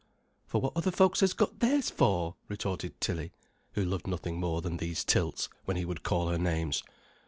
"For what other folks 'as got theirs for," retorted Tilly, who loved nothing more than these tilts when he would call her names.